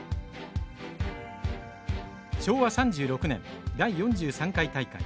昭和３６年第４３回大会。